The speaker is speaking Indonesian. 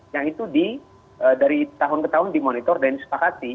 yang itu dari tahun ke tahun dimonitor dan disepakati